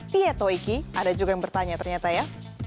tietoiki ada juga yang bertanya ternyata ya